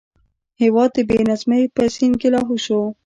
هېواد د بې نظمۍ په سین کې لاهو و.